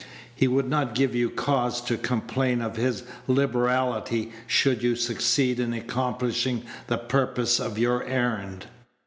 He would not give you cause to complain of his liberality should you succeed in accomplishing the purpose of your errand.